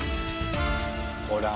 ほら。